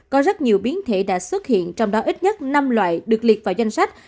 có rất nhiều biến thể đã xuất hiện trong đó ít nhất năm loại được liệt vào danh sách